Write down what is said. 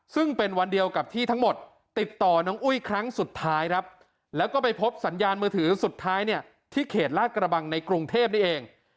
ซึ่งเป็นวันเดียวกับที่ทั้งหมดติดต่อน้องอุ้ยครั้งสุดท้ายครับแล้วก็ไปพบสัญญาณมือถือสุดท้ายเนี่ยที่เขตลาดกระบังในกรุงเทพนี่เอง